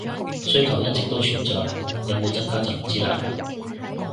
需求一直都存在，有冇增加就唔知喇